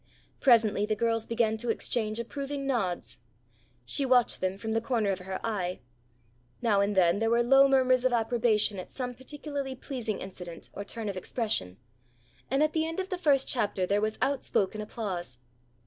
Presently the girls began to exchange approving nods. She watched them from the corner of her eye. Now and then there were low murmurs of approbation at some particularly pleasing incident or turn of expression, and at the end of the first chapter there was outspoken applause.